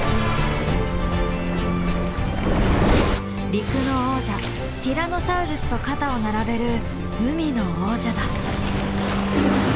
陸の王者ティラノサウルスと肩を並べる海の王者だ。